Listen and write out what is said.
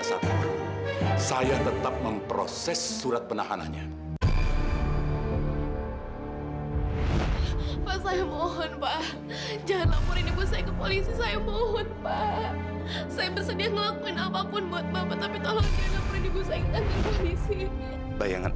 tapi biasanya tersangka bisa keluar kurang dari dua puluh empat jam karena tidak cukup bukti